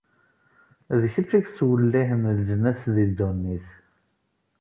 D kečč i yettwellihen leǧnas di ddunit.